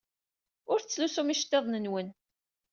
Ur tettlusum iceḍḍiḍen-nwen.